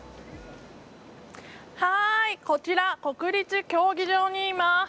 こちら国立競技場にいます。